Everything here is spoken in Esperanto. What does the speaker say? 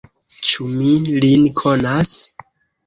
Ĉu mi lin konas?